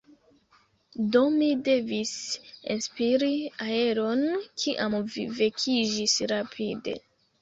Do mi devis enspiri aeron, kiam mi vekiĝis rapide.